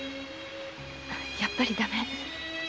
やっぱり駄目。